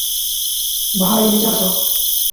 ভাই, নিচে আসো।